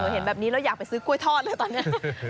เห็นแบบนี้แล้วอยากไปซื้อกล้วยทอดเลยตอนนี้